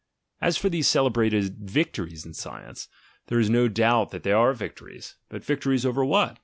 As for these celebrated victories of science; there is no doubt that they are victories — but vic tories over what?